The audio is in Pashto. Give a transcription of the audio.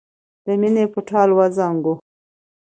د مینې په ټال وزنګاوه.